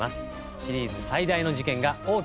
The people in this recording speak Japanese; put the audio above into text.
シリーズ最大の事件が大きく進展します。